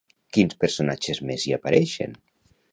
Quins personatges més hi apareixen?